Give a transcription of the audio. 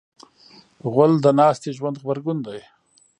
غول د ناستې ژوند غبرګون دی.